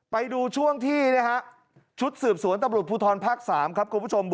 ไปดูช่วงที่ชุดสืบสวนตำรวจภูทรภาค๓ครับคุณผู้ชม